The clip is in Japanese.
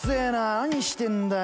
何してんだよ？